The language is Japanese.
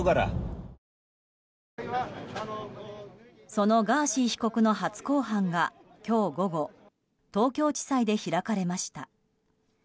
そのガーシー被告の初公判が今日午後東京地裁で開かれました。